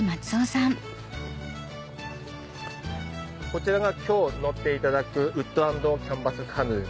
こちらが今日乗っていただくウッド＆キャンバスカヌー。